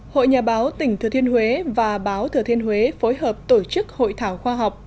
hội nhà báo tỉnh thừa thiên huế và báo thừa thiên huế phối hợp tổ chức hội thảo khoa học